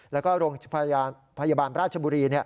แล้วก็โรงพยาบาลราชบุรี